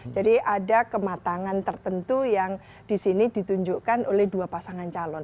jadi ada kematangan tertentu yang di sini ditunjukkan oleh dua pasangan calon